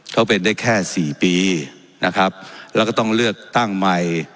เขาเป็นได้แค่สี่ปีนะครับแล้วก็ต้องเลือกตั้งใหม่